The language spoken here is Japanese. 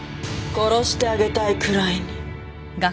殺してあげたいくらいに。